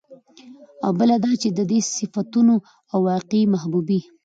او بله دا چې د دې صفتونو او واقعي محبوبې